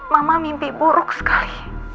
mama mimpi buruk sekali